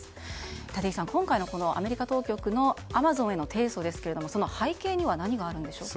立石さん、今回のアメリカ当局のアマゾンへの提訴ですがその背景に何があるのでしょうか。